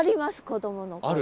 子どもの頃。